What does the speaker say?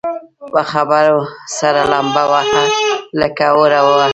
په خبرو سره لمبه وه لکه اور وه